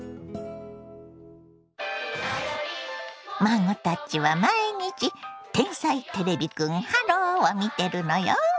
孫たちは毎日「天才てれびくんｈｅｌｌｏ，」を見てるのよ。